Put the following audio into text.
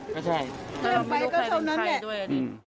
ก็ใช่ไม่รู้ใครเป็นใครด้วย